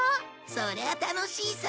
そりゃ楽しいさ！